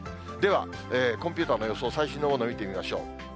では、コンピューターの予想、最新のもの、見てみましょう。